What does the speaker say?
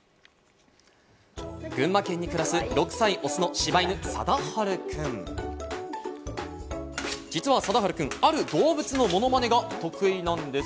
群馬県に暮らす６歳、雄の柴犬・サダハルくん実はサダハルくん、ある動物のものまねが得意なんです。